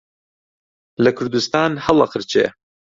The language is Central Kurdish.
لە کوردستان هەڵئەقرچێ